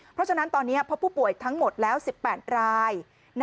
เพราะฉะนั้นตอนนี้พบผู้ป่วยทั้งหมดแล้ว๑๘ราย